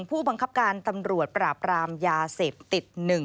ผู้บังคับการตำรวจปราบรามยาเสพติด๑